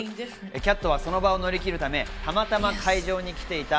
キャットはその場を乗り切るため、たまたま会場に来ていた